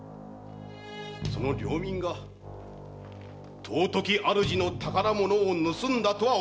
その領民が尊き主の宝物を盗んだとは思いたくはないが。